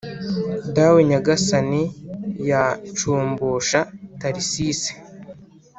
dawe nyagasani ya nshumbusha tharcisse